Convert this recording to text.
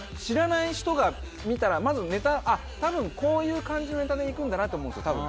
知らない人が見たらまずネタあっ多分こういう感じのネタでいくんだなって思うんですよ。